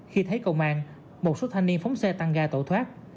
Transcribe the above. khi thấy công an một số thanh niên phóng xe tăng ga tẩu thoát